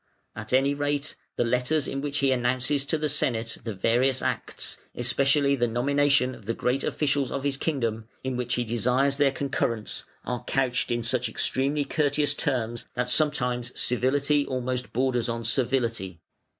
At any rate, the letters in which he announces to the Senate the various acts, especially the nomination of the great officials of his kingdom, in which he desires their concurrence, are couched in such extremely courteous terms, that sometimes civility almost borders on servility.